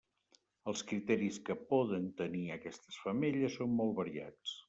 Els criteris que poden tenir aquestes femelles són molt variats.